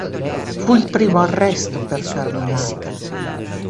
Fu il primo arresto per Carminati.